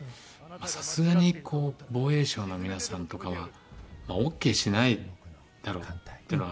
さすがに防衛省の皆さんとかはオーケーしないだろうっていうのは思ったんですよ。